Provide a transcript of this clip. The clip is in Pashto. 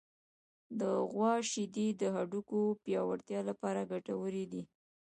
د غوا شیدې د هډوکو پیاوړتیا لپاره ګټورې دي.